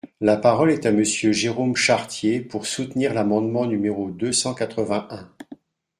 La parole est à Monsieur Jérôme Chartier, pour soutenir l’amendement numéro deux cent quatre-vingt-un.